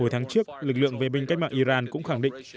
hồi tháng trước lực lượng vệ binh cách mạng iran cũng khẳng định